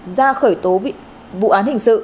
ra khởi tố vụ án hình sự